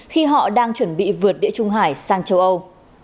khi họ đang chuẩn bị vượt địa trung hải sang châu âu